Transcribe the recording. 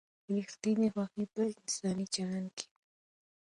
ریښتینې خوښي په انساني چلند کې ده.